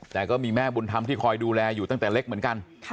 แต่ก็มีแม่บุญธรรมที่คอยดูแลอยู่ตั้งแต่เล็กเหมือนกัน